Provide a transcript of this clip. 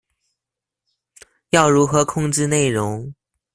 要如何控制内容